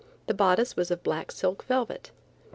The bodice was of black silk velvet.